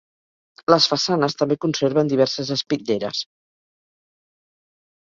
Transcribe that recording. Les façanes també conserven diverses espitlleres.